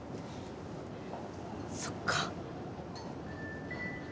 そっか。